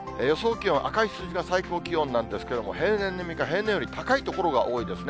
気温、赤い数字が最高気温なんですが、平年並みか、平年より高い所が多いですね。